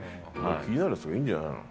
気になるやついるんじゃない？